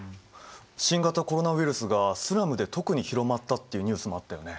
新型コロナウイルスがスラムで特に広まったっていうニュースもあったよね。